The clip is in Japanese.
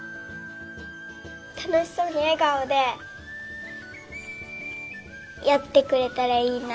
たのしそうにえがおでやってくれたらいいなっておもう。